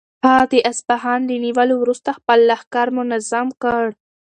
هغه د اصفهان له نیولو وروسته خپل لښکر منظم کړ.